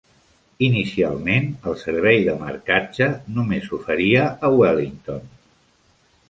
Inicialment, el servei de marcatge només s'oferia a Wellington.